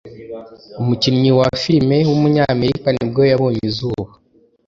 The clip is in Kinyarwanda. umukinnyi wa film w’umunyamerika nibwo yabonye izuba